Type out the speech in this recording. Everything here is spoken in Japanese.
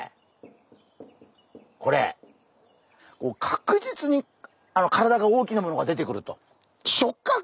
確実に体が大きなものが出てくると。